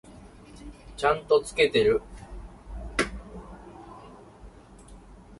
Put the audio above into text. ちゃんと付けてる？